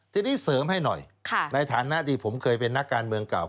ทีนี้เสริมให้หน่อยในฐานะที่ผมเคยเป็นนักการเมืองเก่า